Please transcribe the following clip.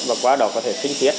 và quá đọt có thể sinh thiết